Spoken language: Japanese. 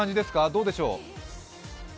どうでしょう？